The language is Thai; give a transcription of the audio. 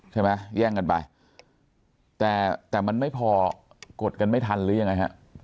แย่งกันไปแต่แต่มันไม่พอกดกันไม่ทันหรือยังไงฮะ